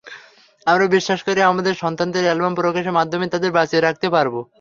আমরা বিশ্বাস করি, আমাদের সন্তানদের অ্যালবাম প্রকাশের মাধ্যমেই তাদের বাঁচিয়ে রাখতে পারব।